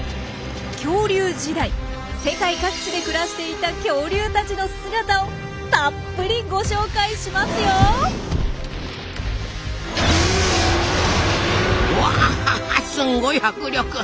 恐竜時代世界各地で暮らしていた恐竜たちの姿をたっぷりご紹介しますよ！わすごい迫力！